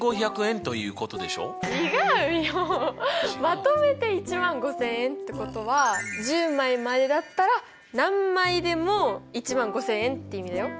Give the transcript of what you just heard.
まとめて１５０００円ってことは１０枚までだったら何枚でも１５０００円っていう意味だよ。